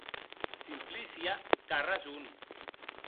Simplicia qu’a rason.